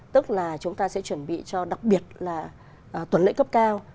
tức là chúng ta sẽ chuẩn bị cho đặc biệt là tuần lễ cấp cao